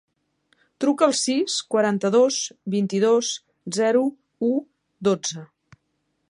Truca al sis, quaranta-dos, vint-i-dos, zero, u, dotze.